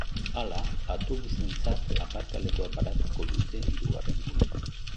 Hala, autobusentzat aparkalekua paratuko dute hirugarren gunean.